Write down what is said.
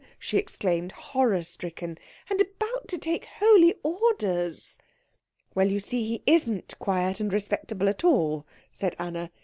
she exclaimed, horror stricken. "And about to take holy orders!" "Well, you see he isn't quiet and respectable at all," said Anna.